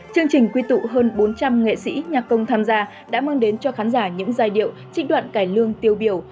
chương trình quy tụ hơn bốn trăm linh nghệ sĩ nhạc công tham gia đã mang đến cho khán giả những giai điệu trích đoạn cải lương tiêu biểu